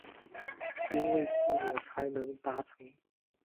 因为是我才能达成